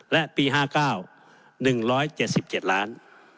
และปี๕๙๑๗๗ล้าน